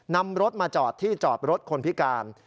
นำรถมาจอดที่จอดรถคนพิการ